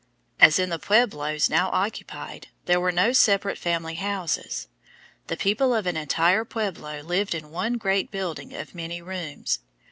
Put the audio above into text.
As in the pueblos now occupied, there were no separate family houses. The people of an entire pueblo lived in one great building of many rooms.